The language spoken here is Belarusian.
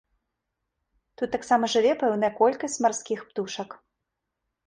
Тут таксама жыве пэўная колькасць марскіх птушак.